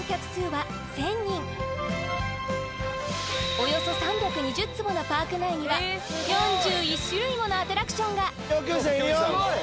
およそ３２０坪のパーク内には４１種類ものアトラクションが。